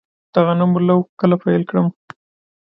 د غنمو لو کله پیل کړم؟